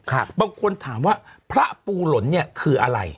บางคนถามว่าพระปูหล่นเนี่ยคืออะไร